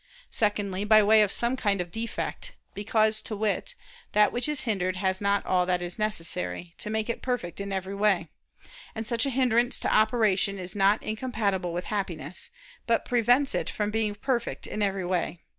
Secondly, by way of some kind of defect, because, to wit, that which is hindered has not all that is necessary to make it perfect in every way: and such a hindrance to operation is not incompatible with Happiness, but prevents it from being perfect in every way.